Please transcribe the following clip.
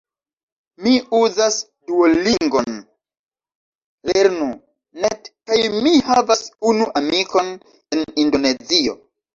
Mi uzas Duolingon, Lernu.net kaj mi havas unu amikon en Indonezio